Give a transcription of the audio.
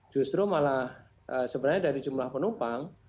justru malah sebenarnya dari jumlah penumpang